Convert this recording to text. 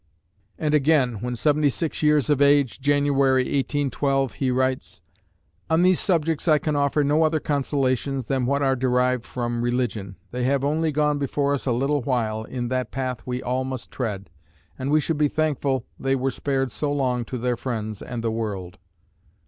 And again, when seventy six years of age, January, 1812, he writes: On these subjects I can offer no other consolations than what are derived from religion: they have only gone before us a little while, in that path we all must tread, and we should be thankful they were spared so long to their friends and the world.